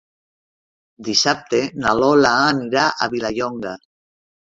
Dissabte na Lola anirà a Vilallonga.